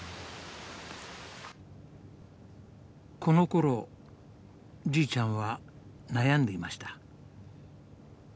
このころじいちゃんは悩んでいました。